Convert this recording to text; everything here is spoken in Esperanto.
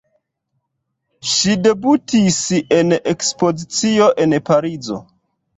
Ŝi debutis en ekspozicio en Parizo.